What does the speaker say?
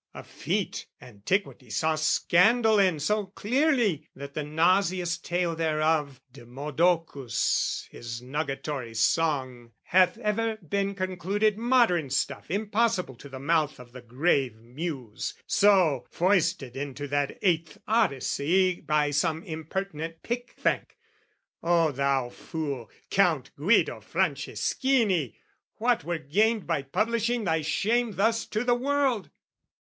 A feat, antiquity saw scandal in So clearly, that the nauseous tale thereof Demodocus his nugatory song Hath ever been concluded modern stuff Impossible to the mouth of the grave Muse, So, foisted into that Eighth Odyssey By some impertinent pickthank. O thou fool, Count Guido Franceschini, what were gained By publishing thy shame thus to the world?